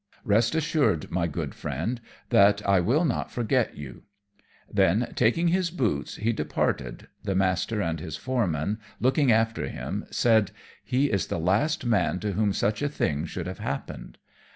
Rest assured, my good Friend, that I will not forget you." Then taking his boots he departed, the Master and his Foreman, looking after him, said, "He is the last man to whom such a thing should have happened."